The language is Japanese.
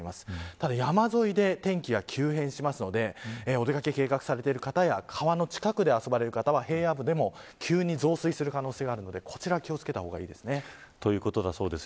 ただ山沿いで天気が急変するのでお出掛けを計画している方や川の近くで遊ばれる方は平野部でも急に増水する可能性があるので気を付けてください。ということです。